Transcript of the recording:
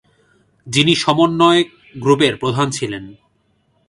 যিনি সমন্বয়ক গ্রুপের প্রধান ছিলেন।